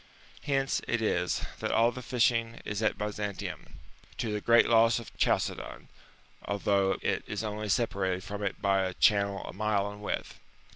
^^ Hence it is, that all the fishing is at Byzantium, to the great loss of Chalcedon, ^^ although it is only separated from it by a channel a mile in width.